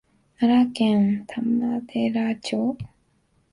奈良県王寺町